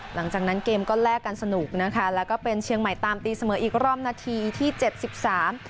หลังจากนั้นเกมก็แลกกันสนุกนะคะแล้วก็เป็นเชียงใหม่ตามตีเสมออีกรอบนาทีที่เจ็ดสิบสาม